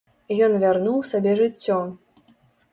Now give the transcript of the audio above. Ён вярнуў сабе жыццё.